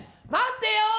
待ってよ。